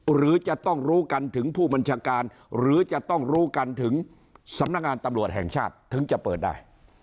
หรือจะต้องรู้กันถึงผู้บัญชาการหรือจะต้องรู้กันถึงสำนักงานตำรวจแห่งชาติถึงจะเปิดได้